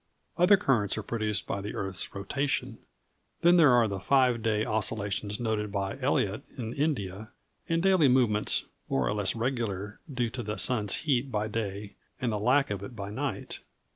Other currents are produced by the earth's rotation. Then there are the five day oscillations noted by Eliot in India, and daily movements, more or less regular, due to the sun's heat by day and the lack of it by night.